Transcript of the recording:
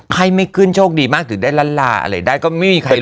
ไข้ไม่ขึ้นโชคดีมากถึงได้ล้านลาอะไรได้ก็ไม่มีใครรู้